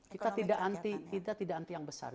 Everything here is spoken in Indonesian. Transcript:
kita tidak anti yang besar